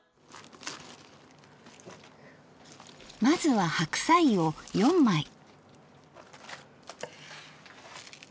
まずは白菜を４枚。